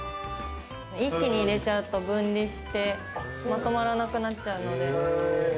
一気にいれちゃうと分離して、まとまらなくなっちゃうので。